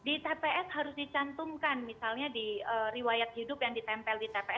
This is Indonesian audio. di tps harus dicantumkan misalnya di riwayat hidup yang ditempel di tps